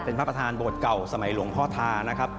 เป็นพระประธานโบสถเก่าสมัยหลวงพ่อทานะครับ